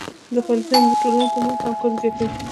دا فعالیتونه د ټولنې ترمنځ همکاري زیاتوي.